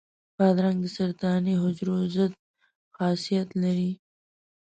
بادرنګ د سرطاني حجرو ضد خاصیت لري.